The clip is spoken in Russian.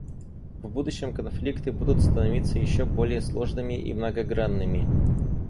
В будущем конфликты будут становиться еще более сложными и многогранными.